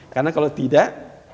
karena kalau tidak